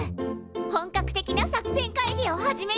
本格的な作戦会議を始めよう！